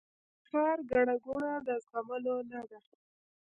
د ښار ګڼه ګوڼه د زغملو نه ده